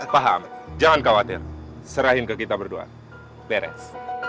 paham jangan khawatir serahin ke kita berdua beres